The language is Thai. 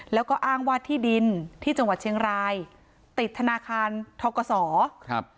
แล้วก็อ้างว่าที่ดินที่จังหวัดเชียงรายติดธนาคารทกศครับ